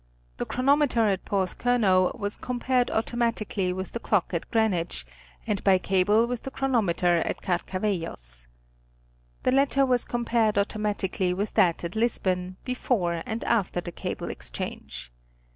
The chronometer at Porthcurnow was compared automatically with the clock at Greenwich, and by cable with the chronometer at Carcavellos. The latter was compared automatically with that at Lisbon, before and after the cable exchange.